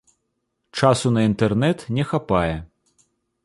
Часу на інтэрнэт не хапае.